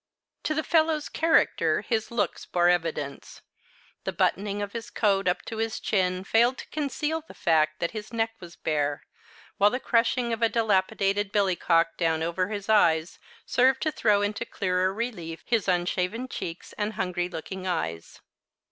To the fellow's character his looks bore evidence. The buttoning of his coat up to his chin failed to conceal the fact that his neck was bare, while the crushing of a dilapidated billycock down over his eyes served to throw into clearer relief his unshaven cheeks and hungry looking eyes.